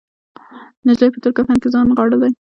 نجلۍ په تور کفن کې ځان نغاړلی